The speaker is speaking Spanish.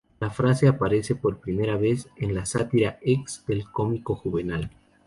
La frase aparece por primera vez en la Sátira X del cómico Juvenal.